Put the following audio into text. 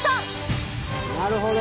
なるほど！